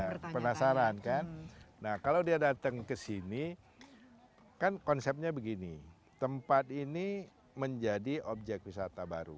nah penasaran kan nah kalau dia datang ke sini kan konsepnya begini tempat ini menjadi objek wisata baru